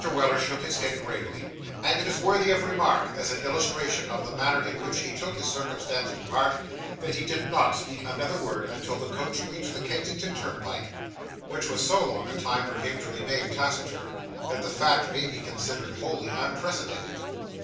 Weller shook his head gravely; and it is worthy of remark, as an illustration of the manner in which he took this circumstance to heart, that he did not speak another word until the coach reached the Kensington turnpike. Which was so long a time for him to remain taciturn, that the fact may be considered wholly unprecedented.